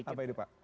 apa ini pak